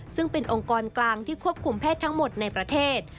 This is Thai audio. ซึ่งเป็นองค์กรกลางที่ควบคุมแพทย์ทั้งหมดในประเทศ